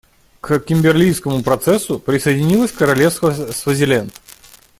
К Кимберлийскому процессу присоединилось Королевство Свазиленд.